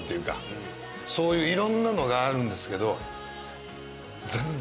そういういろんなのがあるんですけど。